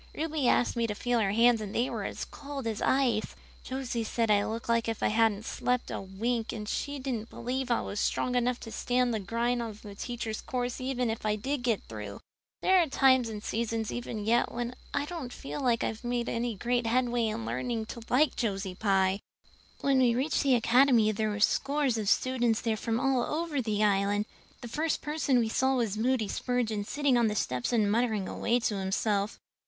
Ruby asked me to feel her hands and they were as cold as ice. Josie said I looked as if I hadn't slept a wink and she didn't believe I was strong enough to stand the grind of the teacher's course even if I did get through. There are times and seasons even yet when I don't feel that I've made any great headway in learning to like Josie Pye! "When we reached the Academy there were scores of students there from all over the Island. The first person we saw was Moody Spurgeon sitting on the steps and muttering away to himself.